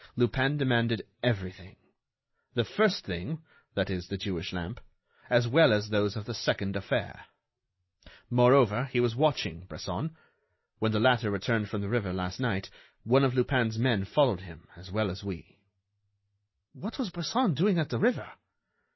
Lupin demanded everything, 'the first thing (that is, the Jewish lamp) as well as those of the second affair.' Moreover, he was watching Bresson. When the latter returned from the river last night, one of Lupin's men followed him as well as we." "What was Bresson doing at the river?"